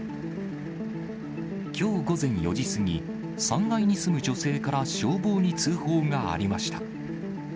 きょう午前４時過ぎ、３階に住む女性から消防に通報がありました。